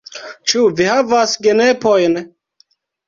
Ĉu vi havas genepojn?